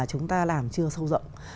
chúng ta làm chưa sâu rộng